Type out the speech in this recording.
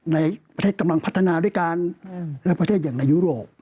ในประเทศกำลังพัฒนาด้วยกันและประเทศอย่างในยุโรป